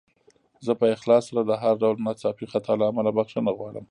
زه په اخلاص سره د هر ډول ناڅاپي خطا له امله بخښنه غواړم.